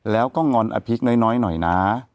แล้วก็งอนอภิกน้อยหน่อยนะ